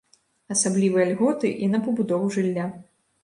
Асаблівыя льготы і на пабудову жылля.